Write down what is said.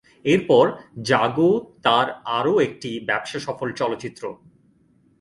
এরপর জাগো তার আরও একটি ব্যবসাসফল চলচ্চিত্র।